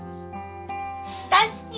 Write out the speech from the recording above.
大好き！